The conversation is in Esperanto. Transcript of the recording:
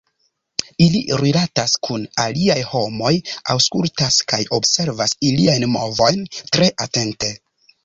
Ili rilatas kun aliaj homoj, aŭskultas kaj observas iliajn movojn tre atente.